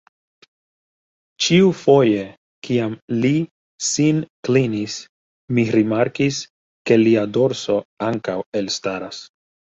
Ĉiufoje kiam li sin klinis, mi rimarkis, ke lia dorso ankaŭ elstaras.